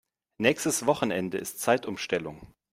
Nächstes Wochenende ist Zeitumstellung.